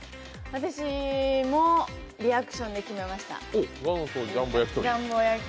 私もリアクションで決めました。